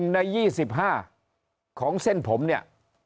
ใน๒๕ของเส้นผมเนี่ย